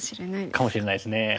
かもしれないですね。